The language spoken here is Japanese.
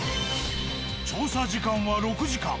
調査時間は６時間。